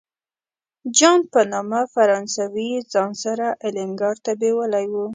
جان په نامه فرانسوی یې ځان سره الینګار ته بیولی و.